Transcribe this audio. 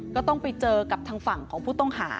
ก็ต้องไปเจอกับทางฝั่งของผู้ต้องหา